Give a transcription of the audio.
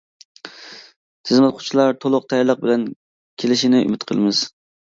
تىزىملاتقۇچىلار تولۇق تەييارلىق بىلەن كېلىشىنى ئۈمىد قىلىمىز .